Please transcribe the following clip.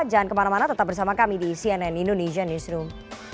jangan kemana mana tetap bersama kami di cnn indonesian newsroom